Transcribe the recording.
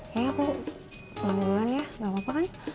kayaknya aku pelan pelan ya gak apa apa kan